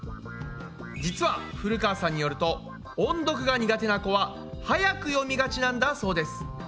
実は古川さんによると音読が苦手な子ははやく読みがちなんだそうです。